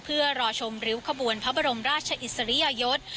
เพื่อรอชมริ้วขบวนพระบรมราชอิสริยยศ